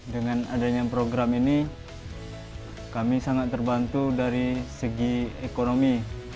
dengan adanya program ini kami sangat terbantu dari segi ekonomi